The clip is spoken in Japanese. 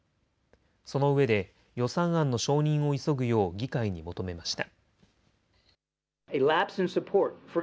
そのうえで予算案の承認を急ぐよう議会に求めました。